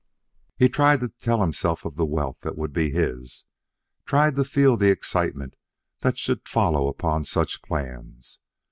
He tried to tell himself of the wealth that would be his; tried to feel the excitement that should follow upon such plans.